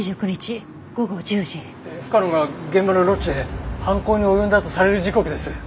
深野が現場のロッジで犯行に及んだとされる時刻です。